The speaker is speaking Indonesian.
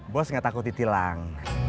bos gak takut ditilang